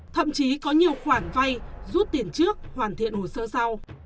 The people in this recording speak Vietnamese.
thậm chí có nhiều khoản vay rút tiền trước hoàn thiện hồ sơ sau